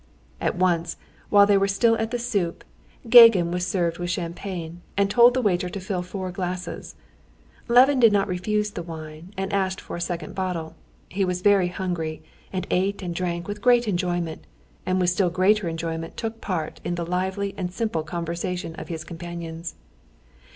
At once, while they were still at the soup, Gagin was served with champagne, and told the waiter to fill four glasses. Levin did not refuse the wine, and asked for a second bottle. He was very hungry, and ate and drank with great enjoyment, and with still greater enjoyment took part in the lively and simple conversation of his companions.